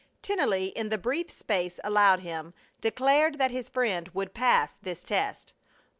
Tennelly, in the brief space allowed him, declared that his friend would pass this test.